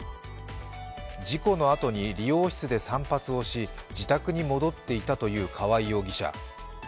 事故のあとに理容室で散髪をし自宅に戻っていたという川合容疑者。